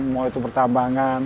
mau itu pertambangan